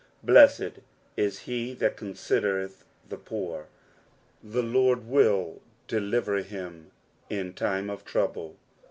BLESSED is he that considereth the poor : the Lord will deliver him in time of trouble.